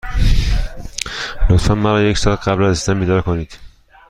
لطفا مرا یک ساعت قبل از رسیدن بیدار کنید.